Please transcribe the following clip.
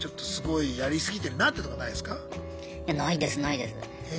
いやないですないです。え？